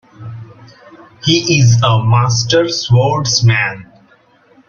He is a master swordsman.